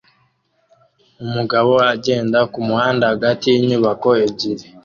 Umugabo agenda kumuhanda hagati yinyubako ebyiri